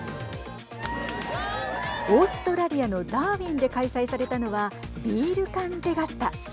オーストラリアのダーウィンで開催されたのはビール缶レガッタ。